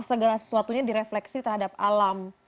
segala sesuatunya direfleksi terhadap alam